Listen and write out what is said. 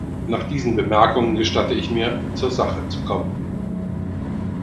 Nach diesen Bemerkungen gestatte ich mir, zur Sache zu kommen.